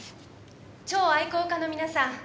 蝶愛好家の皆さん